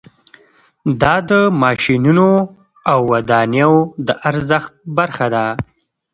دا د ماشینونو او ودانیو د ارزښت برخه ده